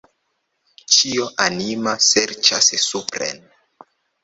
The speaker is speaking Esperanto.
Ĉio anima serĉas supren.